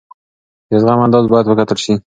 د زغم اندازه باید وکتل شي.